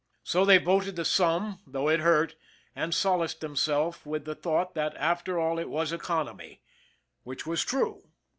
So they voted the sum, though it hurt, and solaced themselves with the thought that after all it was economy which was true.